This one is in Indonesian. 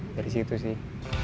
dari situ sih